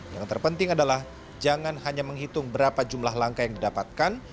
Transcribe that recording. yang terpenting adalah jangan hanya menghitung berapa jumlah langkah yang didapatkan